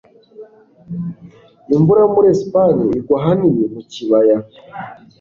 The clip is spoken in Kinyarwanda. Imvura yo muri Espagne igwa ahanini mu kibaya